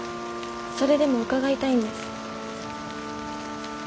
それでも伺いたいんです。